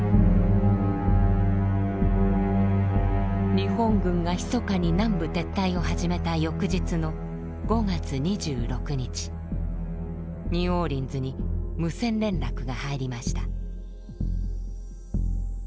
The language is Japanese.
日本軍がひそかに南部撤退を始めた翌日の５月２６日ニューオーリンズに無線連絡が入りました。